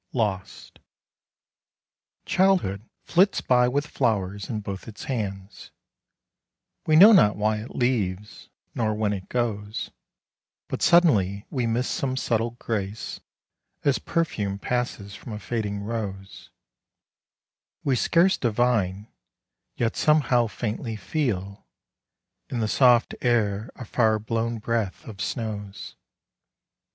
Lost. CHILDHOOD flits by with flowers in both its hands, We know not why it leaves, nor when it goes; But suddenly we miss some subtle grace, As perfume passes from a fading rose; We scarce divine, yet somehow faintly feel In the soft air a far blown breath of snows.